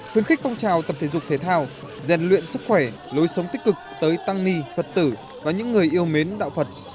khuyến khích phong trào tập thể dục thể thao rèn luyện sức khỏe lối sống tích cực tới tăng ni phật tử và những người yêu mến đạo phật